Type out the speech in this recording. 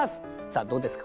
どうですか？